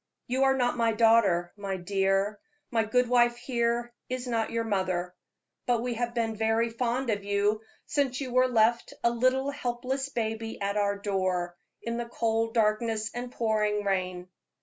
You are not my daughter, my dear; my good wife here is not your mother; but we have been very fond of you since you were left a little helpless baby at our door, in the cold darkness and pouring rain."